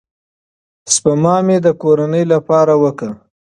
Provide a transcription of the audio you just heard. سپما مې د کورنۍ لپاره وکړه.